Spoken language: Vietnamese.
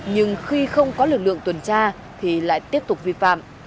nhưng khi không có lực lượng tuần tra thì lại tiếp tục vi phạm